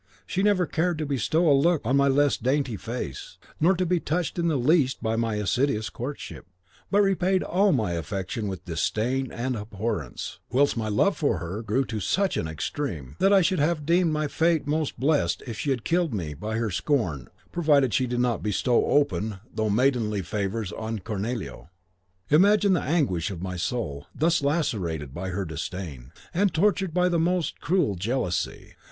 She never cared to bestow a look on my less dainty face, nor to be touched in the least by my assiduous courtship; but repaid all my affection with disdain and abhorrence; whilst my love for her grew to such an extreme, that I should have deemed my fate most blest if she had killed me by her scorn, provided she did not bestow open, though maidenly, favours on Cornelio. Imagine the anguish of my soul, thus lacerated by her disdain, and tortured by the most cruel jealousy.